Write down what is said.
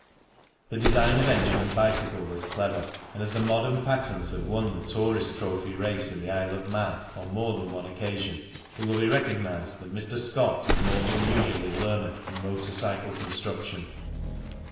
The design of engine and bicycle was clever, and as the modern patterns have won the Tourist Trophy race in the Isle of Man on more than one occasion, it will be recognized that Mr. Scott is more than usually learned in motor cycle construction.